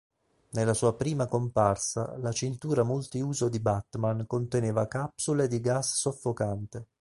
Nella sua prima comparsa, la cintura multiuso di Batman conteneva "capsule di gas soffocante".